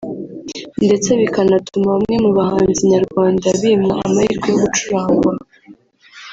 ndetse bikanatuma bamwe mu bahanzi nyarwanda bimwa amahirwe yo gucurangwa